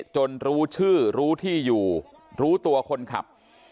จนรู้ชื่อรู้ที่อยู่รู้ตัวคนขับ